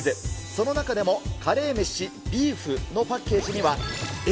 その中でも、カレーメシビーフのパッケージには、え？